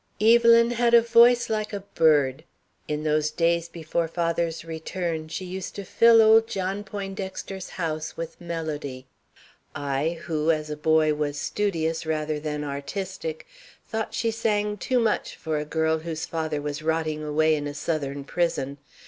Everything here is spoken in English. "Evelyn had a voice like a bird. In those days before father's return, she used to fill old John Poindexter's house with melody. I, who, as a boy, was studious, rather than artistic, thought she sang too much for a girl whose father was rotting away in a Southern prison.